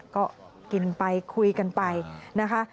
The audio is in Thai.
ก็กินไปคุยกันไปนะคะ